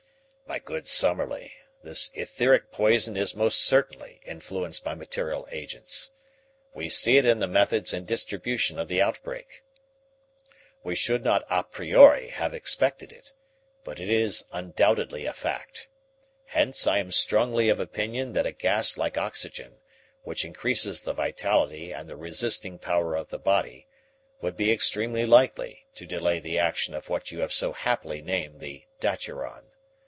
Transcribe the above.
"My good Summerlee, this etheric poison is most certainly influenced by material agents. We see it in the methods and distribution of the outbreak. We should not a priori have expected it, but it is undoubtedly a fact. Hence I am strongly of opinion that a gas like oxygen, which increases the vitality and the resisting power of the body, would be extremely likely to delay the action of what you have so happily named the daturon.